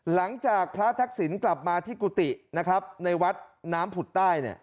หลังจากพระทักษิณกลับมาที่กุฏินะครับในวัดน้ำผุดใต้